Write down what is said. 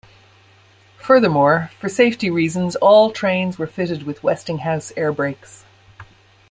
Furthermore, for safety reasons all trains are fitted with Westinghouse air brakes.